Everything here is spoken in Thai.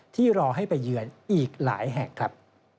รอให้ไปเยือนอีกหลายแห่งครับ